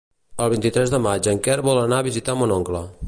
El vint-i-tres de maig en Quer vol anar a visitar mon oncle.